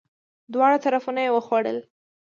دواړه طرفونه یی وخوړل!